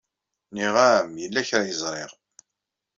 Nniɣ-am yella kra ay ẓriɣ.